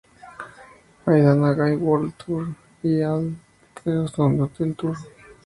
I Did It Again World Tour y al The Onyx Hotel Tour.